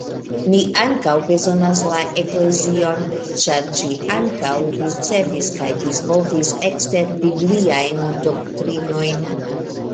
Ni ankaŭ bezonas la eklezion, ĉar ĝi ankaŭ ricevis kaj disvolvis ekster-bibliajn doktrinojn.